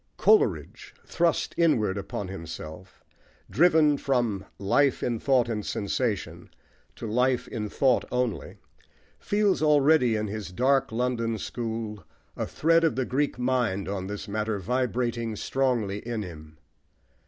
Coleridge, thrust inward upon himself, driven from "life in thought and sensation" to life in thought only, feels already, in his dark London school, a thread of the Greek mind on this matter vibrating strongly in him.